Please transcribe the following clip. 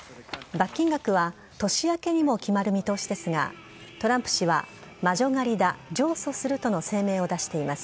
罰金額は年明けにも決まる見通しですがトランプ氏は魔女狩りだ、上訴するとの声明を出しています。